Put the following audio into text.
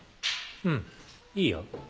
うんいいよ。